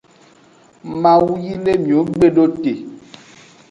Mawu yi le miwo gbe do te.